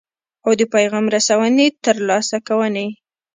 او د پیغام رسونې یا ترلاسه کوونې.